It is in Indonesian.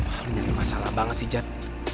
wah lu nyari masalah banget sih jad